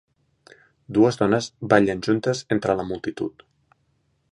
Dues dones ballen juntes entre la multitud.